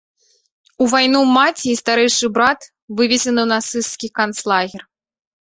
У вайну маці і старэйшы брат вывезены ў нацысцкі канцлагер.